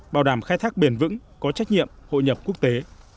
bảo đảm khai thác bền vững có trách nhiệm hội nhập quốc tế